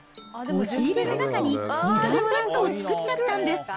押し入れの中に２段ベッドを作っちゃったんです。